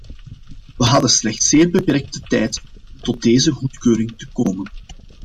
We hadden slechts zeer beperkt de tijd om tot deze goedkeuring te komen.